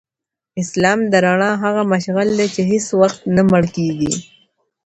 اسلام د رڼا هغه مشعل دی چي هیڅ وختنه مړ کیږي.